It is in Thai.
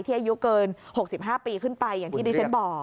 อายุเกิน๖๕ปีขึ้นไปอย่างที่ดิฉันบอก